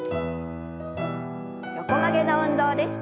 横曲げの運動です。